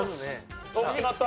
決まった？